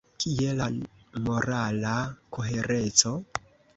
Kie la morala kohereco?